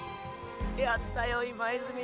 やったよ今泉。